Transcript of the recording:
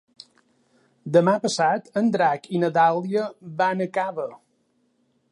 Demà passat en Drac i na Dàlia van a Cava.